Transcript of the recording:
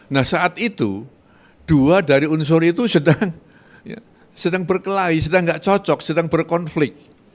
nah saat itu dua dari unsur itu sedang berkelahi sedang tidak cocok sedang berkonflik